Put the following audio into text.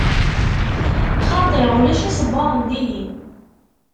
Xaṭi, ulac isebbaḍen dihin.